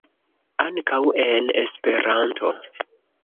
Ankaŭ en Esperanto.